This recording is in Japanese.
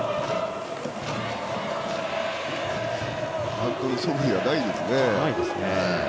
バントのそぶりはないですね。